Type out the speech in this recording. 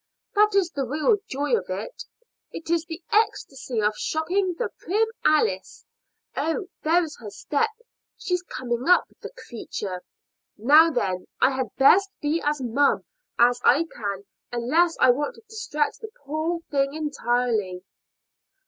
That is the real joy of it. It is the ecstacy of shocking the prim Alice! Oh! there is her step. She's coming up, the creature! Now then, I had best be as mum as I can unless I want to distract the poor thing entirely."